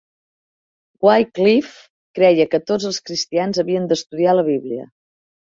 Wycliffe creia que tots els cristians havien d'estudiar la Bíblia.